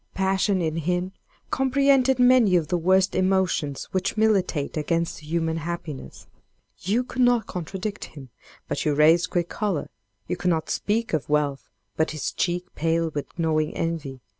Passion, in him, comprehended many of the worst emotions which militate against human happiness. You could not contradict him, but you raised quick choler; you could not speak of wealth, but his cheek paled with gnawing envy.